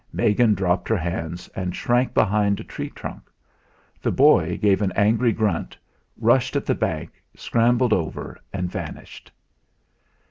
Megan dropped her hands, and shrank behind a tree trunk; the boy gave an angry grunt, rushed at the bank, scrambled over and vanished.